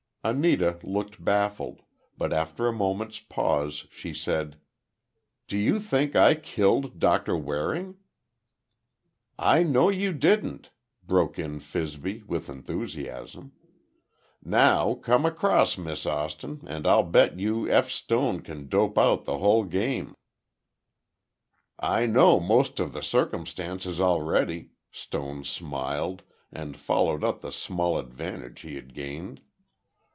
Anita looked baffled, but after a moment's pause, she said, "Do you think I killed Doctor Waring?" "I know you didn't," broke in Fibsy, with enthusiasm. "Now, come across, Miss Austin, and I'll bet you F. Stone can dope out the whole game." "I know most of the circumstances already," Stone smiled, and followed up the small advantage he had gained.